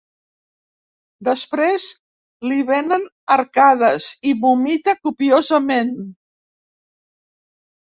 Després li vénen arcades i vomita copiosament.